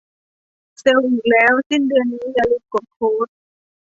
เซลอีกแล้ว สิ้นเดือนนี้ อย่าลืมกดโค้ด